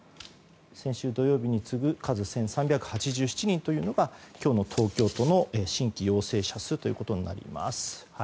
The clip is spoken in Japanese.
先週土曜日に次ぐ数１３８７人という今日の東京都の新規陽性者数になります。